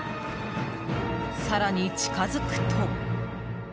更に近づくと。